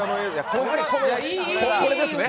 これですね。